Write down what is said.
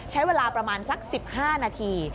ใช้เวลาประมาณสัก๑๕นาที